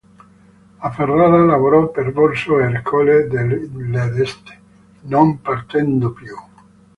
A Ferrara lavorò per Borso e Ercole I d'Este, non partendo più.